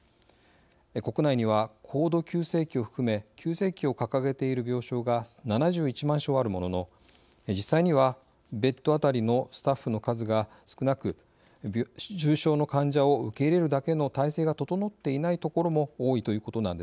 国内には高度急性期を含め急性期を掲げている病床が７１万床あるものの実際にはベッド当たりのスタッフの数が少なく重症の患者を受け入れるだけの体制が整っていない所も多いということなんです。